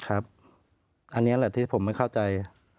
อันนี้แหละที่ผมไม่เข้าใจ